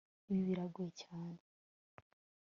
Ibi biragoye cyane